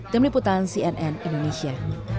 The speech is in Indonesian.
tim liputan cnn indonesia